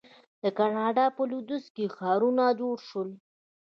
د کاناډا په لویدیځ کې ښارونه جوړ شول.